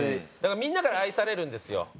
だからみんなから愛されるんですよ。